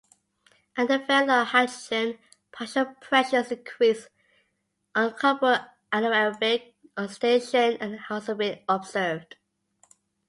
Under very low hydrogen partial pressures, increased uncoupled anaerobic oxidation has also been observed.